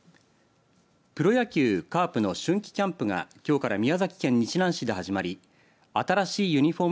プロ野球カープの春季キャンプがきょうから宮崎県日南市で始まり新しいユニフォーム